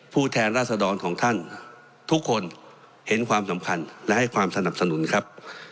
แทนราษฎรของท่านทุกคนเห็นความสำคัญและให้ความสนับสนุนครับ